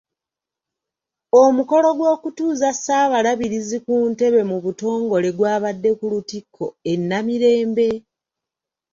Omukolo gw'okutuuza Ssaabalabirizi ku ntebe mu butongole gwabadde ku Lutikko e Namirembe.